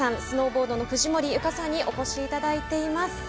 スノーボードの藤森由香さんにお越しいただいています。